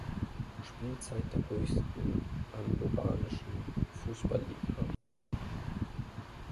Spielzeit der höchsten andorranischen Fußballliga.